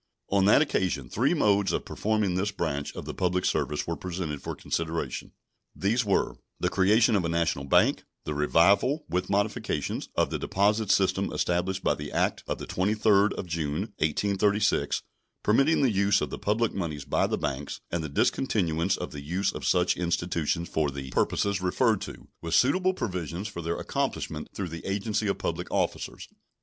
On that occasion three modes of performing this branch of the public service were presented for consideration. These were, the creation of a national bank; the revival, with modifications, of the deposit system established by the act of the 23d of June, 1836, permitting the use of the public moneys by the banks; and the discontinuance of the use of such institutions for the purposes referred to, with suitable provisions for their accomplishment through the agency of public officers.